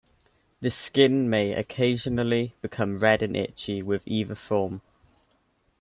The skin may occasionally become red and itchy with either form.